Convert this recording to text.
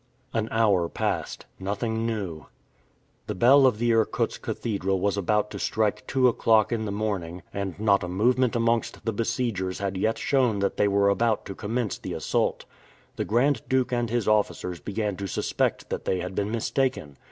An hour passed. Nothing new. The bell of the Irkutsk cathedral was about to strike two o'clock in the morning, and not a movement amongst the besiegers had yet shown that they were about to commence the assault. The Grand Duke and his officers began to suspect that they had been mistaken.